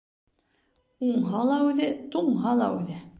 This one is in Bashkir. Уңһа ла үҙе, туңһа ла үҙе.